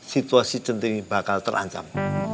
situasi centini bakal terancam